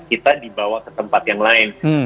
kita dibawa ke tempat yang lain